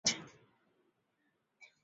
父亲洪宗德。